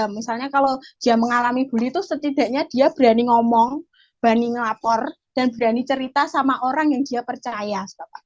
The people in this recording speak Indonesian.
misalnya kalau dia mengalami bully itu setidaknya dia berani ngomong berani ngelapor dan berani cerita sama orang yang dia percaya